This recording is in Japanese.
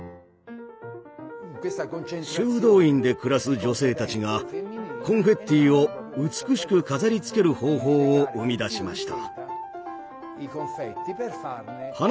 修道院で暮らす女性たちがコンフェッティを美しく飾りつける方法を生み出しました。